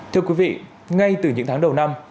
thưa quý vị ngay từ những tháng đầu năm